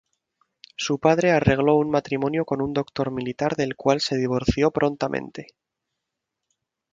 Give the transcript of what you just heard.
Su padre arregló un matrimonio con un doctor militar del cual se divorció prontamente.